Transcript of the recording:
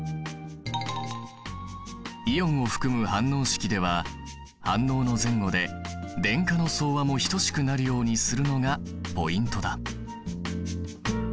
イオンを含む反応式では反応の前後で電荷の総和も等しくなるようにするのがポイントだ。